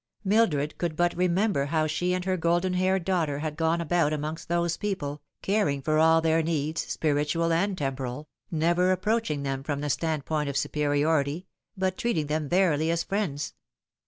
Mildred could but remember how she and her golden haired daughter had gone about amongst those people, caring for all their needs, spiritual and temporal, never approaching them from the standpoint of superiority, but treating them verily as friends.